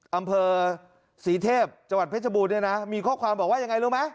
อำเภอศรีเทพจังหวัดเพชรบูรณเนี่ยนะมีข้อความบอกว่ายังไงรู้ไหม